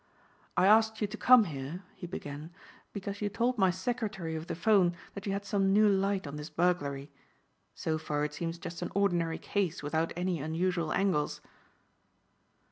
"I asked you to come here," he began, "because you told my secretary over the phone that you had some new light on this burglary. So far it seems just an ordinary case without any unusual angles."